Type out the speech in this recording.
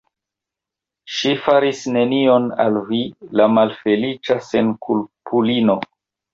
Ŝi faris nenion al vi, la malfeliĉa senkulpulino.